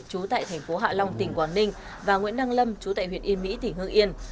trú tại thành phố hạ long tỉnh quảng ninh và nguyễn đăng lâm chú tại huyện yên mỹ tỉnh hương yên